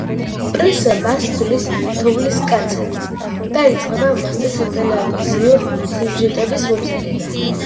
პრესა მას თვლის თოვლის კაცად და იწყება მასზე სატელევიზიო სიუჟეტების მომზადება.